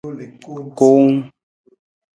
Kuung.